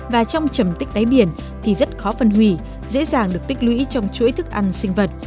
và trong trầm tích đáy biển thì rất khó phân hủy dễ dàng được tích lũy trong chuỗi thức ăn sinh vật